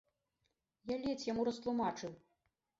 Я ледзь яму растлумачыў.